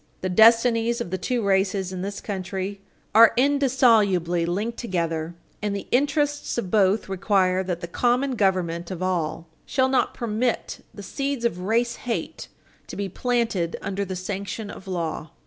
The destinies of the two races in this country are indissolubly linked together, and the interests of both require that the common government of all shall not permit the seeds of race hate to be planted under the sanction of law.